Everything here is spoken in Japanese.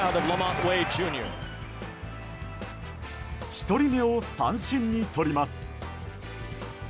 １人目を三振にとります。